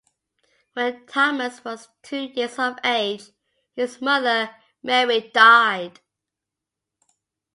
When Thomas was two years of age, his mother Mary died.